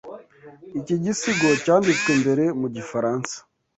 Iki gisigo cyanditswe mbere mu gifaransa.